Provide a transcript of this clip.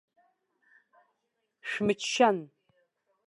Шәмыччаӡан.